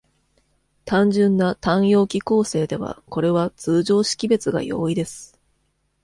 単純な単葉機構成では、これは通常識別が容易です。